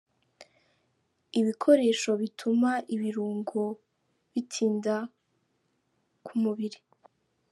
Ibikoresho bituma ibirungo bitinda ku mubiri.